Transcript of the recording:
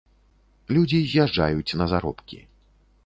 Людзі з'язджаюць на заробкі.